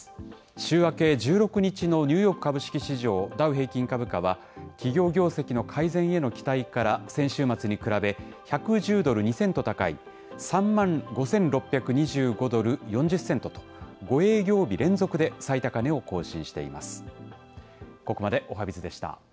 週明け１６日のニューヨーク株式市場、ダウ平均株価は、企業業績の改善への期待から、先週末に比べ１１０ドル２セント高い、３万５６２５ドル４０セントと、５営業日連続で最高値を更新しています。